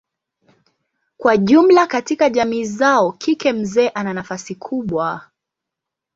Kwa jumla katika jamii zao kike mzee ana nafasi kubwa.